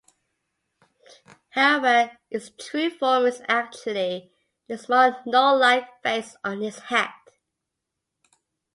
However, its true form is actually the small Noh-like face on its hat.